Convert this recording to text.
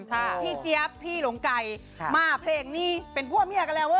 พี่เจี๊ยบพี่หลงไก่ค่ะมาเพลงนี้เป็นผัวเมียกันแล้วเว้